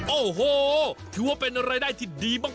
โอ้โหถือว่าเป็นรายได้ที่ดีมาก